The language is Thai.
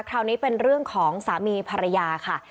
คราวนี้เป็นเรื่องของสามีภรรยาค่ะ